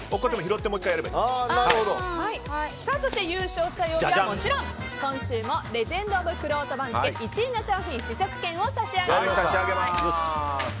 そして、優勝した曜日はもちろん今週もレジェンド・オブ・くろうと番付１位の商品試食券を差し上げます。